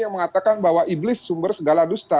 yang mengatakan bahwa iblis sumber segala dusta